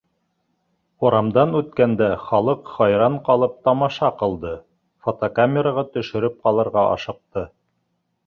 Урамдан үткәндә халыҡ хайран ҡалып тамаша ҡылды, фотокамераға төшөрөп ҡалырға ашыҡты.